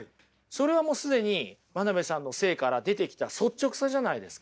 それはもう既に真鍋さんの生から出てきた率直さじゃないですか。